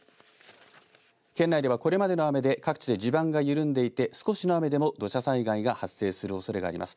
県内ではこれまでの雨で各地で地盤が緩んでいて少しの雨でも土砂災害が発生するおそれがあります。